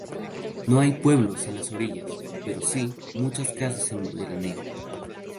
No hay pueblos en las orillas, pero sí muchas casas de veraneo.